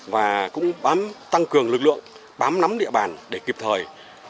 và cũng tăng cường lực lượng bám nắm địa bàn để kịp thời